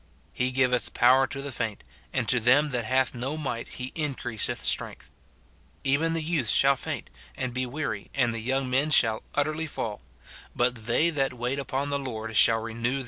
He giveth power to the faint ; and to them that have no might he increaseth strength. Even the youths shall faint and be weary, and the young men shall utterly fall : but they that wait upon the Lord shall renew their * John i.